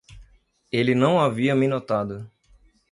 Ele não havia me notado.